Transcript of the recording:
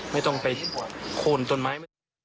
ไม่ต้องไปโคนต้นไม้